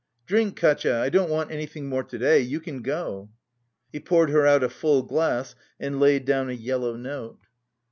Drink, Katia! I don't want anything more to day, you can go." He poured her out a full glass, and laid down a yellow note.